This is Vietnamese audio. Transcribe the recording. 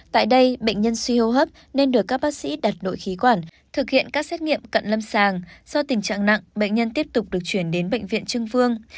tại đây bệnh nhân suy hô hấp nên được các bác sĩ đặt đội khí quản thực hiện các xét nghiệm cận lâm sàng do tình trạng nặng bệnh nhân tiếp tục được chuyển đến bệnh viện trưng vương